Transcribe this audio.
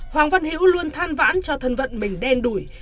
hoàng văn hữu luôn than vãn cho thân vận mình đen đủ